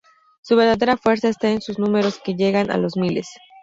Su verdadera fuerza está en sus números, que llegan a los miles.